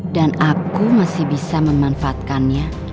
dan aku masih bisa memanfaatkannya